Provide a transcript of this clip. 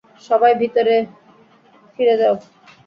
সবাই ভিতরে ফিরে যাও।